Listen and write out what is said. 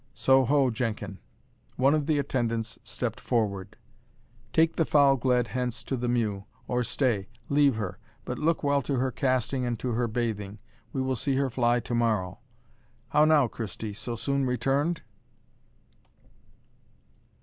So ho, Jenkin!" One of the attendants stepped forward "Take the foul gled hence to the mew or, stay; leave her, but look well to her casting and to her bathing we will see her fly to morrow. How now, Christie, so soon returned?"